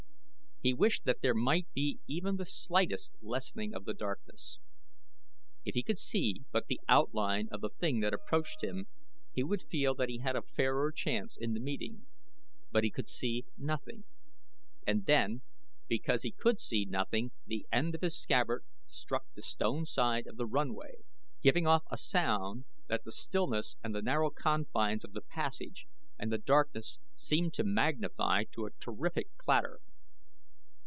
He wished that there might be even the slightest lessening of the darkness. If he could see but the outline of the thing that approached him he would feel that he had a fairer chance in the meeting; but he could see nothing, and then because he could see nothing the end of his scabbard struck the stone side of the runway, giving off a sound that the stillness and the narrow confines of the passage and the darkness seemed to magnify to a terrific clatter.